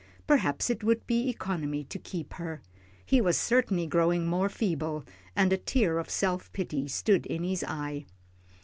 Perhaps it would be economy to keep her. He was certainly growing more feeble, and a tear of self pity stood in his eye.